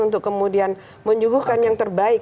untuk kemudian menyuguhkan yang terbaik